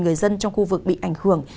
người dân trong khu vực bị ảnh hưởng